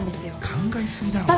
考え過ぎだろ。